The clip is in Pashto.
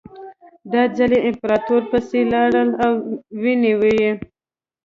دا ځل یې امپراتور پسې لاړل او ونیو یې.